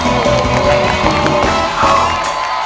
เออนะ